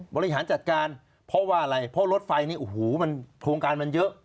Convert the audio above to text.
บริหารจัดการเพราะว่าอะไรเพราะรถไฟนี่โอ้โหมันโครงการมันเยอะ